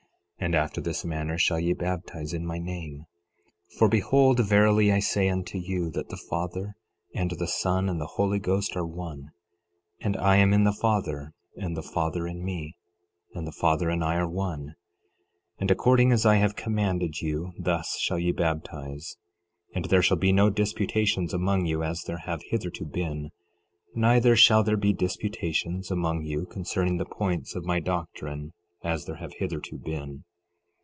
11:27 And after this manner shall ye baptize in my name; for behold, verily I say unto you, that the Father, and the Son, and the Holy Ghost are one; and I am in the Father, and the Father in me, and the Father and I are one. 11:28 And according as I have commanded you thus shall ye baptize. And there shall be no disputations among you, as there have hitherto been; neither shall there be disputations among you concerning the points of my doctrine, as there have hitherto been.